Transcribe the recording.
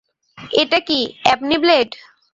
এটা কি ebony blade?